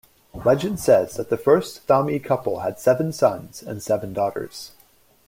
Legend says that the first Thami couple had seven sons and seven daughters.